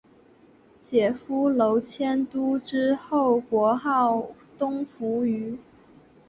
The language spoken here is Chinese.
解夫娄迁都之后国号东扶余。